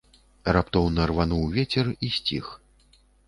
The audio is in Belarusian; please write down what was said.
Раптоўна рвануў вецер і сціх.